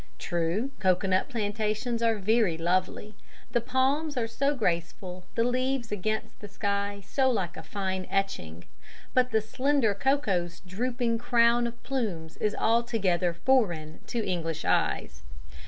True, coconut plantations are very lovely the palms are so graceful, the leaves against the sky so like a fine etching but "the slender coco's drooping crown of plumes" is altogether foreign to English eyes.